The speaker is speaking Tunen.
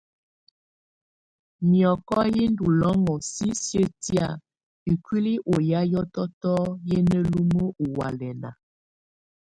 Mìɔ́kɔ yɛ́ ndù lɔ́ŋɔ̀ sisiǝ̀ tɛ̀á ikuili ɔ ya hiɔ̀tɔ̀tɔ yɛ na lumǝ ɔ ɔhɔ̀álɛna.